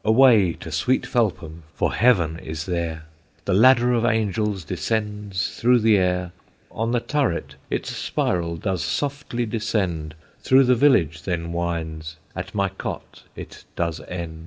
Away to sweet Felpham, for Heaven is there; The ladder of Angels descends through the air, On the turret its spiral does softly descend, Through the village then winds, at my cot it does end.